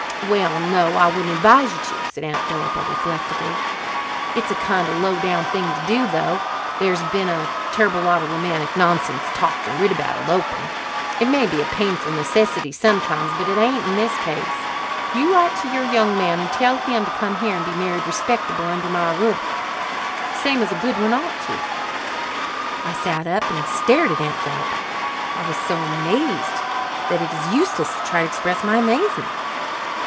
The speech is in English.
"Well, no, I wouldn't advise you to," said Aunt Philippa reflectively. "It's a kind of low down thing to do, though there's been a terrible lot of romantic nonsense talked and writ about eloping. It may be a painful necessity sometimes, but it ain't in this case. You write to your young man and tell him to come here and be married respectable under my roof, same as a Goodwin ought to." I sat up and stared at Aunt Philippa. I was so amazed that it is useless to try to express my amazement.